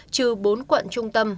trừ bốn quận trung tâm